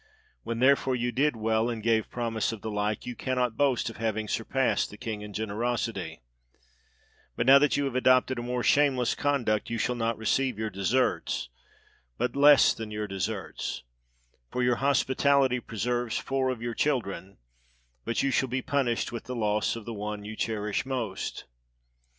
When, therefore, you did well, and gave promise of the like, you cannot boast of having surpassed the king in generosity; but now that you have adopted a more shameless con duct, you shall not receive your deserts, but less than 3S6 XERXES SETS OUT TO CONQUER GREECE your deserts; for your hospitality preserves four of your children, but you shall be punished with the loss of the one whom you cherish most."